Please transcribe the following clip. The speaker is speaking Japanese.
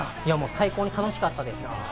最高に楽しかったです。